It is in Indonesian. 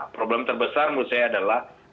problem terbesar menurut saya adalah